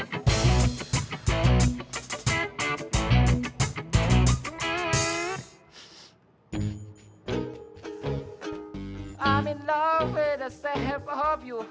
aku cinta mereka semoga aku bisa bantu